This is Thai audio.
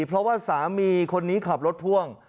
เพราะว่าสามีคนนี้ขับรถพ่วง